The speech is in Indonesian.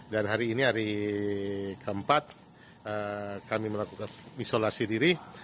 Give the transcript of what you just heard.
dan hari ini hari keempat kami melakukan isolasi diri